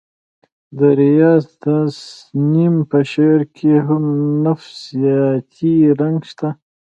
د ریاض تسنیم په شعر کې هم نفسیاتي رنګ شته